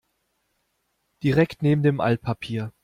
Direkt neben dem Altpapier.